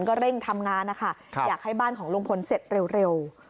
ก็เร่งทำงานนะคะอยากให้บ้านของลุงพลเสร็จเร็ว